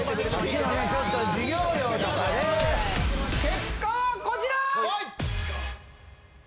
・結果はこちら！